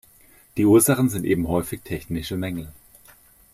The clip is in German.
Die Ursachen sind eben häufig technische Mängel.